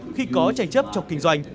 khi có tranh chấp trong kinh doanh